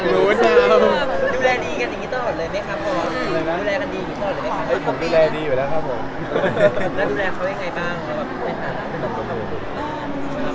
ดูแลดีกันอย่างนี้ต้องออกเลยไหมครับ